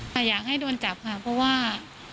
อยากให้โดนจับค่ะเพราะว่า